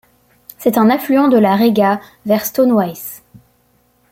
C'est un affluent de la Rega, vers Słonowice.